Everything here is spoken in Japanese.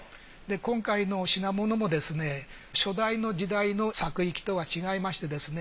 今回のお品物もですね初代の時代の作行きとは違いましてですね